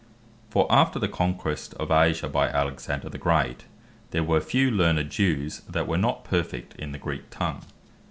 For after the conquest of Asia by Alexander the Great, there were few learned Jews, that were not perfect in the Greek tongue.